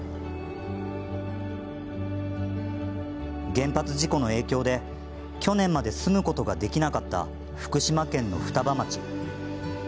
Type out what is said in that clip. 原発事故の影響で去年まで住むことができなかった福島県の双葉町。